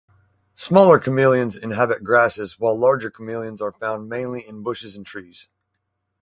Smaller chameleons inhabit grasses while larger chameleons are found mainly in bushes and trees.